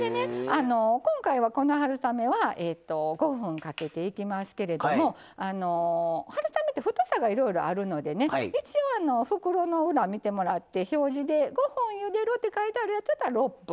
今回はこの春雨は５分かけていきますけれども春雨って太さがいろいろあるので一応袋の裏見てもらって表示で５分ゆでるって書いてあるやつだったら６分。